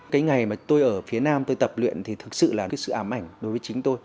cái ngày mà tôi ở phía nam tôi tập luyện thì thực sự là cái sự ám ảnh đối với chính tôi